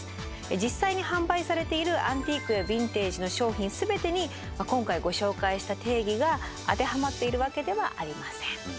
実際に販売されている「アンティーク」「ヴィンテージ」の商品すべてに今回ご紹介した定義が当てはまっているわけではありません。